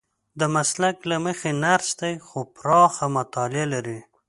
د مسلک له مخې نرس دی خو پراخه مطالعه لري.